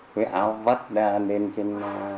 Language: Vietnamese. túi áo bắt lên trên